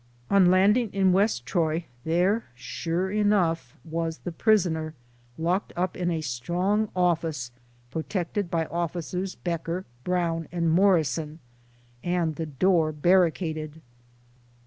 On landing in West Troy, there, sure enough, was the prisoner, locked up in a strong office, pro tected by Officers Becker, Brown and Morrison, and the door barricaded.